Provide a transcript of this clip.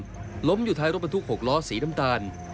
หอนด้านสีแดงดำล้มอยู่ท้ายรถบรรทุก๖ล้อสีน้ำตาล